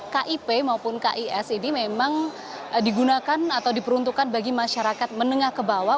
kip maupun kis ini memang digunakan atau diperuntukkan bagi masyarakat menengah ke bawah